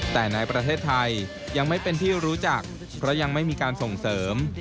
แต่ในประเทศไทยยังไม่เป็นที่รู้จักเพราะยังไม่มีการส่งเสริม